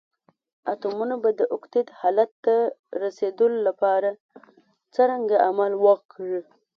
اتومونه به د اوکتیت حالت ته رسیدول لپاره څرنګه عمل وکړي؟